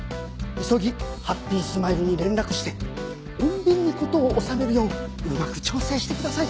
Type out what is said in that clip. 急ぎハッピースマイルに連絡して穏便に事を収めるよううまく調整してください。